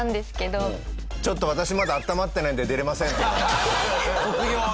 ちょっと私まだ温まってないので出れませんっていうのは。